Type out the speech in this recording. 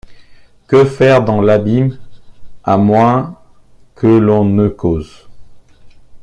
Que faire dans l’abîme à moins que l’on ne cause?